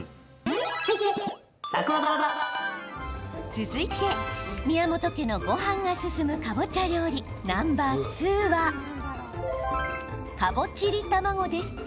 続いて、宮本家のごはんが進むかぼちゃ料理、ナンバー２はカボチリたまごです。